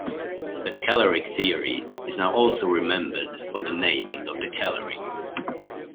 The caloric theory is now also remembered for the naming of the calorie.